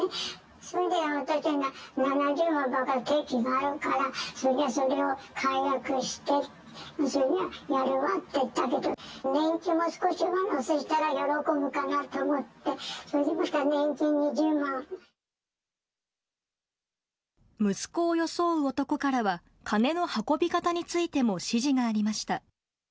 それで、私は、７０万の定期があるから、それじゃあそれを解約してやるわって言ったけど、年金も少し上乗せしたら喜ぶかなと思って、息子を装う男からは、金の運び方についても指示がありました。